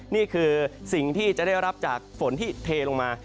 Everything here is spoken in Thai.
นี่คือสิ่งที่จะได้รับจากฝนที่เทลงมา